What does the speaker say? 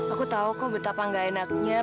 aku tahu kok betapa gak enaknya